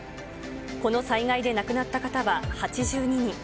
この災害で亡くなった方は８２人。